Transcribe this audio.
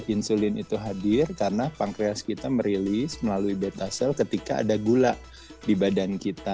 insulin itu hadir karena pankreas kita merilis melalui betasel ketika ada gula di badan kita